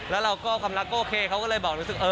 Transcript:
แล้วเราก็ความรักก็โอเคเขาก็เลยบอกรู้สึก